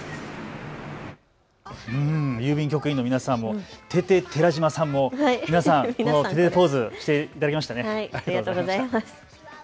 郵便局員の皆さんもてて寺島さんも皆さんこのててて！ポーズしていただけましたね。